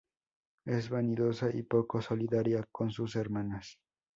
Es vanidosa y poco solidaria con sus hermanas.